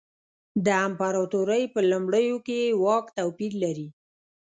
د امپراتورۍ په لومړیو کې یې واک توپیر لري.